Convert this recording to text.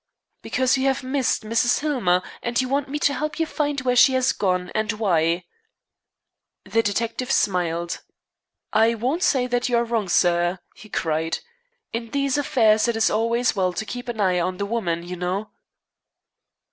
"Because you have missed Mrs. Hillmer, and you want me to help you find where she has gone, and why." The detective smiled. "I won't say that you are wrong, sir," he cried. "In these affairs it is always well to keep an eye on the woman, you know."